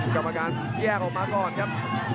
กรรมการแยกออกมาก่อนครับ